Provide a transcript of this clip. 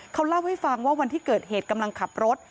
เขาเล่าให้ฟังว่าวันที่เกิดเหตุกำลังขับรถ